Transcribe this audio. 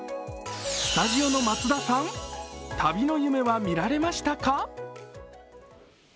スタジオの松田さん、旅の夢は見られましたか？